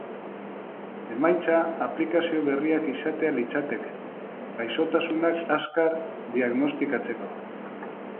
Emaitza aplikazio berriak izatea litzateke, gaixotasunak azkar diagnostikatzeko.